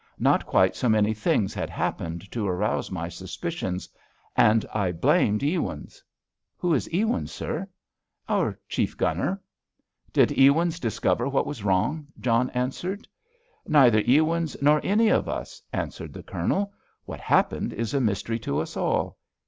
Not quite so many things had happened to arouse my suspicions, and I blamed Ewins." "Who is Ewins, sir?" "Our chief gunner." "Did Ewins discover what was wrong?" John asked. "Neither Ewins nor any of us," answered the Colonel. "What happened is a mystery to us all.